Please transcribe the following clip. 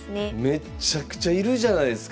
めっちゃくちゃいるじゃないですか！